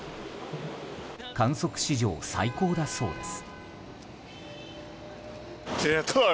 観測史上最高だそうです。